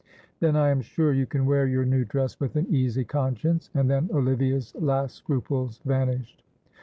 "Then I am sure you can wear your new dress with an easy conscience," and then Olivia's last scruples vanished.